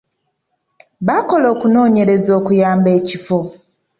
Baakola okunoonyereza okuyamba ekifo.